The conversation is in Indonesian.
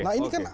nah ini kan